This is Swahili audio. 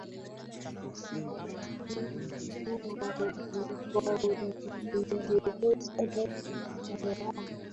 na waziri mkuu wa uingereza david cameron